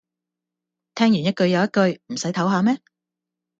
聽完一句又一句，唔洗唞吓咩